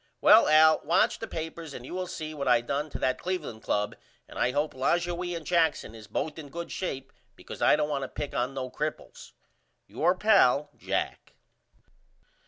Well Al watch the papers and you will see what I done to that Cleveland Club and I hope Lajoie and Jackson is both in good shape because I don't want to pick on no cripples. Your pal, JACK.